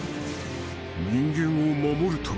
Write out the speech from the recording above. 人間を守るためだ。